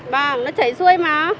bòm nó chảy xuôi mà